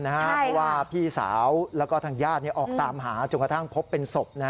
เพราะว่าพี่สาวแล้วก็ทางญาติออกตามหาจนกระทั่งพบเป็นศพ